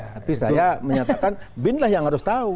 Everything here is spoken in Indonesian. tapi saya menyatakan bin lah yang harus tahu